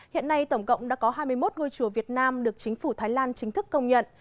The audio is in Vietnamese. hiện nay tổng cộng đã có hai mươi một ngôi chùa việt nam được chính phủ thái lan chính thức công nhận